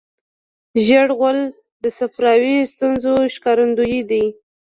ژېړ غول د صفراوي ستونزو ښکارندوی دی.